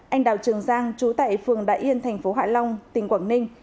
anh đào trường giang chú tại phường đại yên tp hải long tỉnh quảng ninh